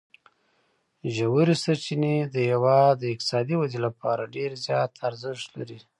ژورې سرچینې د هېواد د اقتصادي ودې لپاره ډېر زیات ارزښت لري.